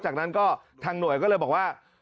จากนั้นก็ทางหน่วยก็เลยบอกว่า